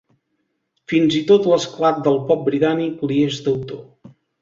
Fins i tot l'esclat del pop britànic li és deutor.